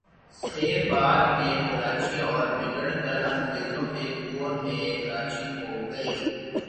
سے بعد میں کولاچی اور بگڑ کر انگریزوں کے دور میں کراچی ھو گئی